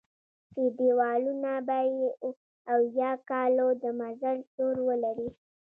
چې دېوالونه به یې اویا کالو د مزل سور ولري.